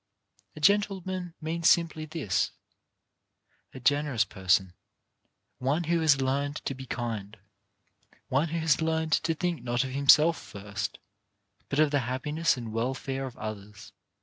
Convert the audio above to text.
A gentleman means simply this: a generous person; one who has learned to be kind; one who has learned to think not of himself first, but of the happiness and wel fare of others.